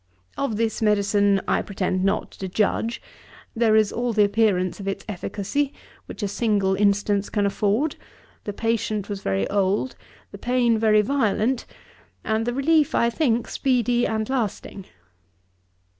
'Of this medicine I pretend not to judge. There is all the appearance of its efficacy, which a single instance can afford: the patient was very old, the pain very violent, and the relief, I think, speedy and lasting.